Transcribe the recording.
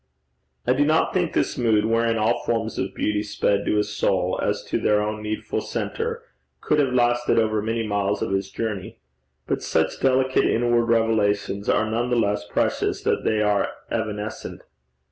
I do not think this mood, wherein all forms of beauty sped to his soul as to their own needful centre, could have lasted over many miles of his journey. But such delicate inward revelations are none the less precious that they are evanescent.